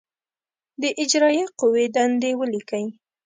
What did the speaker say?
د اجرائیه قوې دندې ولیکئ.